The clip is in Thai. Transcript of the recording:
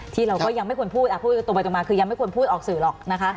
เราก็ยังไม่ควรพูดพูดตรงไปตรงมาคือยังไม่ควรพูดออกสื่อหรอกนะคะ